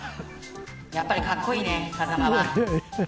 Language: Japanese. やっぱりかっこいいね風間は。